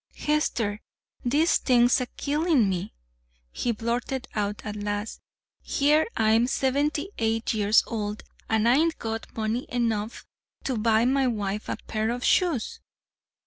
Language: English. "Hester, this thing's a killin' me!" he blurted out at last. "Here I'm seventy eight years old an' I hain't got money enough ter buy my wife a pair of shoes!"